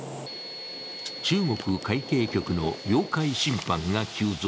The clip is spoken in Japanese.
中国海警局の領海侵犯が急増。